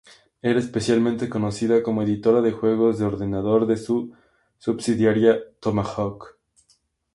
Era especialmente conocida como editora de juegos de ordenador de su subsidiaria Tomahawk.